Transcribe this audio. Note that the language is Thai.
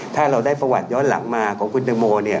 ถ้าเราได้ประวัติย้อนหลังมาของคุณเดอร์โม